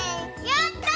やった！